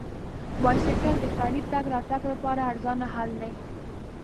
بایسکل د ښاري تګ راتګ لپاره ارزانه حل دی.